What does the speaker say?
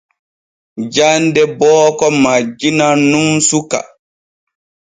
Jande booko majjinan nun suka.